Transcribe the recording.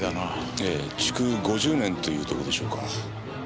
ええ築５０年というとこでしょうか。